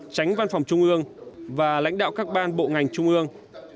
tránh văn phòng trung ương và lãnh đạo các ban bộ ngành trung ương